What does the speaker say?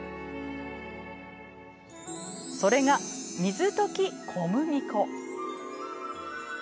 それが水溶き小麦粉。